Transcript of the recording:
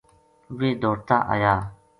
ویہ دوڑتا آیا